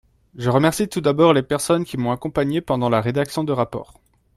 Je remercie tout d’abord les personnes qui m’ont accompagnée pendant la rédaction de rapport.